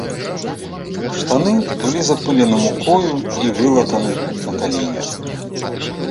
Штаны былі запылены мукою і вылатаны на каленях.